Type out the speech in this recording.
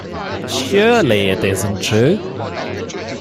Surely it isn't true?